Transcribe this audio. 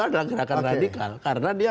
dalam gerakan radikal karena dia